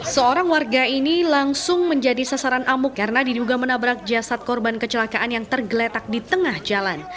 seorang warga ini langsung menjadi sasaran amuk karena diduga menabrak jasad korban kecelakaan yang tergeletak di tengah jalan